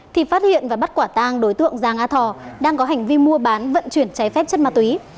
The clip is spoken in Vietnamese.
thì phát hiện và bắt quả tang đối tượng giàng a thò đang có hành vi mua bán vận chuyển cháy phép chất ma túy